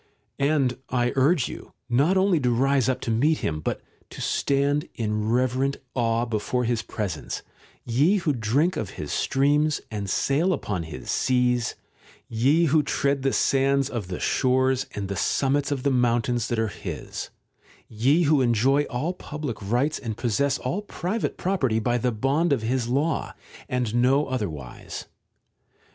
X § 7. And I urge you not only to rise up to meet him, but to stand in reverent awe * before his presence, ye who drink of his streams, and sail upon his seas ; ye who tread the sands of the shores and the summits of the mountains that are his ; ye who enjoy all public rights and possess all private property by the bond of his law, and no other wise.